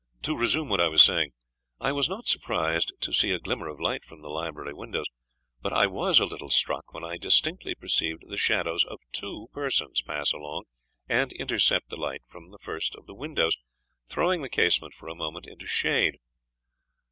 To resume what I was saying, I was not surprised to see a glimmering of light from the library windows: but I was a little struck when I distinctly perceived the shadows of two persons pass along and intercept the light from the first of the windows, throwing the casement for a moment into shade.